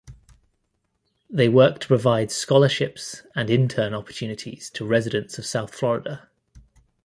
They work to provide scholarships and intern opportunities to residents of South Florida.